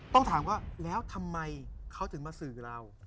ต้องถามว่าแล้วทำไมเขาถึงมาสื่อเรา